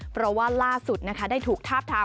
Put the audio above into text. เพราะว่าล่าสุดนะคะได้ถูกทาบทาม